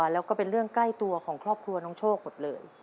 แล้วก็เป็นเรื่องใกล้ตัวของครอบครัวน้องโชคหมดเลย